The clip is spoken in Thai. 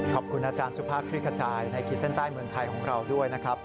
ขอบคุณอาจารย์สุภาพคลิกขจายในขีดเส้นใต้เมืองไทยของเราด้วยนะครับ